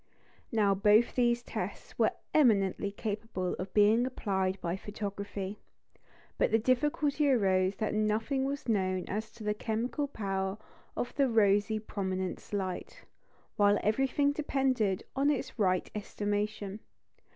Now both these tests were eminently capable of being applied by photography. But the difficulty arose that nothing was known as to the chemical power of the rosy prominence light, while everything depended on its right estimation.